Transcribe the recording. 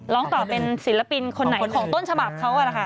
ร้องต่อเป็นศิลปินคนไหนของต้นฉบับเขาอะแหละค่ะ